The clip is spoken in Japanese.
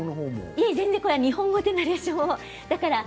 いや、日本語のナレーションを。